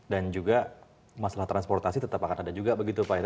dan juga masalah transportasi tetap akan ada juga begitu pak